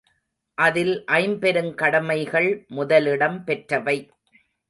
அதில் ஐம்பெருங் கடமைகள் முதலிடம் பெற்றவை.